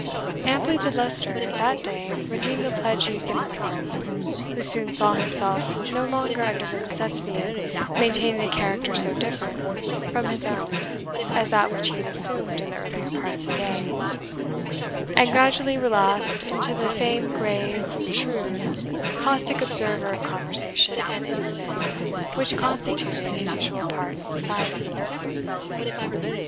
Amply did Leicester that day redeem the pledge he had given to Varney, who soon saw himself no longer under the necessity of maintaining a character so different from his own as that which he had assumed in the earlier part of the day, and gradually relapsed into the same grave, shrewd, caustic observer of conversation and incident which constituted his usual part in society.